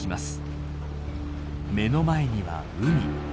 目の前には海。